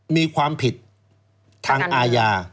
มีความผิดทางอาญา